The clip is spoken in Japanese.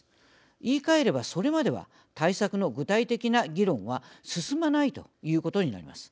言い換えればそれまでは対策の具体的な議論は進まないということになります。